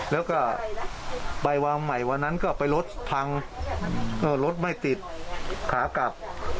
แล้วก็ไปวางใหม่วันนั้นก็ไปรถพังก็รถไม่ติดขากลับ